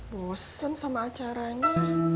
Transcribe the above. bosen sama acaranya